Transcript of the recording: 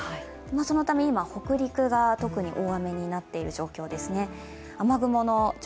そのため今、北陸側、特に大雨になっている状況ですね。